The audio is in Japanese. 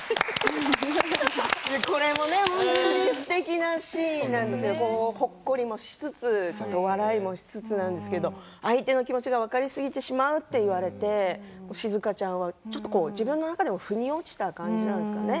これも本当にすてきなシーンなんですけどほっこりもしつつ笑いもしつつなんですけど相手の気持ちが分かりすぎてしまうと言われて静ちゃんはちょっと自分の中でもふに落ちた感じなんですかね。